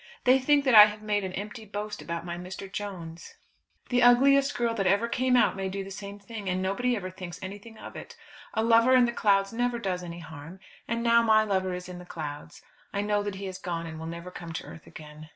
They think that I have made an empty boast about my Mr. Jones. The ugliest girl that ever came out may do the same thing, and nobody ever thinks anything of it. A lover in the clouds never does any harm, and now my lover is in the clouds. I know that he has gone, and will never come to earth again.